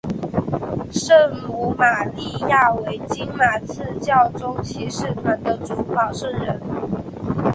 圣母玛利亚为金马刺教宗骑士团的主保圣人。